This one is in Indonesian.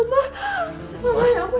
mama ya ampun